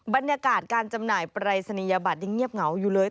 บรรยากาศการจำหน่ายปรายศนียบัตรยังเงียบเหงาอยู่เลย